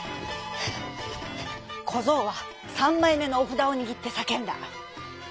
こぞうはさんまいめのおふだをにぎってさけんだ。